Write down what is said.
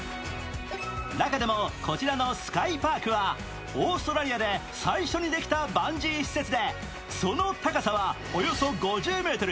中でも、こちらのスカイパークはオーストラリアで最初にできたバンジー施設で、その高さはおよそ５０ｍ。